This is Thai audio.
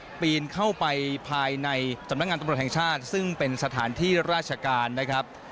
ปีนเข้าไปภายในสำนักงานตำรวจแห่งชาติซึ่งเป็นสถานที่ราชการนะครับ